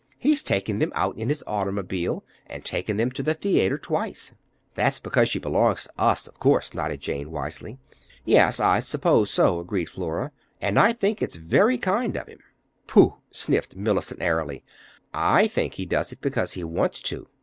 He's taken them out in his automobile, and taken them to the theater twice." "That's because she belongs to us, of course," nodded Jane wisely. "Yes, I suppose so," agreed Flora. "And I think it's very kind of him." "Pooh!" sniffed Mellicent airily. "I think he does it because he wants to.